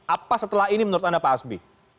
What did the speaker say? apa setelah ini menurut anda pak hasbi